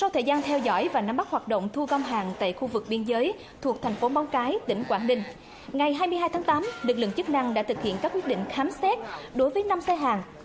tháng hai tháng tám lực lượng chức năng đã thực hiện các quyết định khám xét đối với năm xe hàng